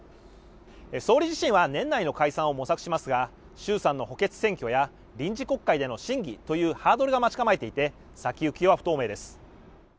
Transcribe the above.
総理自身は年内の解散を模索しますが衆参の補欠選挙や臨時国会での審議というハードルが待ち構えていて先行きは不透明です